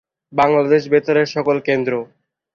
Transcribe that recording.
বাংলাদেশ বেতারের সকল কেন্দ্র।